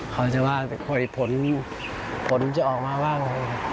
เขาจะว่าผลจะออกมาบ้าง